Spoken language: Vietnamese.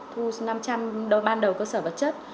thu ban đầu cơ sở vật chất